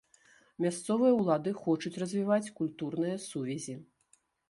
Мясцовыя ўлады хочуць развіваць культурныя сувязі.